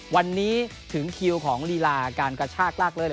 วันนี้ถึงคิวของลีลาการกระชากลากเลิศ